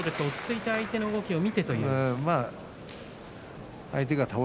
落ち着いて相手の動きを見て、ということですか？